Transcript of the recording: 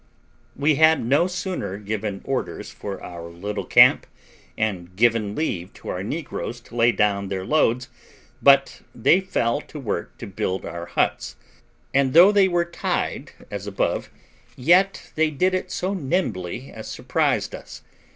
We had no sooner given orders for our little camp, and given leave to our negroes to lay down their loads, but they fell to work to build our huts; and though they were tied as above, yet they did it so nimbly as surprised us.